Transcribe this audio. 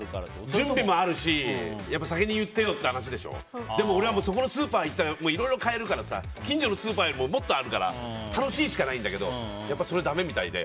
準備もあるし、突然言ったからでも俺はそこのスーパーに行ったら何でも買えるから近所のスーパーよりももっとあるから楽しいしかないんだけどそれはだめみたいで。